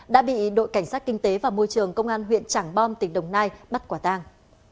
đã bị đội cảnh sát kinh tế và môi trường công an huyện trảng bom tỉnh đồng nai bắt quả tang